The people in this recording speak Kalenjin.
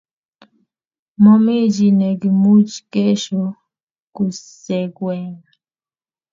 Momichi nekiimuch kesho kursengwai